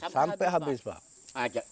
sampai habis pak